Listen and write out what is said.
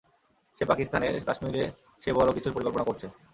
সে পাকিস্তানের কাশ্মীরে সে বড়ো কিছুর পরিকল্পনা করছে।